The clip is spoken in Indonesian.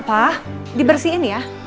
pak dibersihin ya